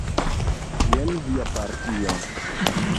Jen via partio.